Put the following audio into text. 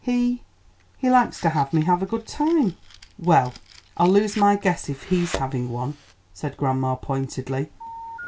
"He he likes to have me have a good time." "Well, I'll lose my guess if he's having one," said grandma pointedly.